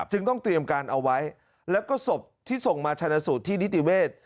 จึงต้องเตรียมการเอาไว้แล้วก็ศพที่ส่งมาชนะสูตรที่นิติเวศ